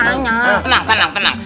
tenang tenang tenang